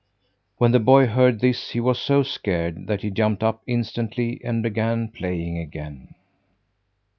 When the boy heard this he was so scared that he jumped up instantly and began playing again.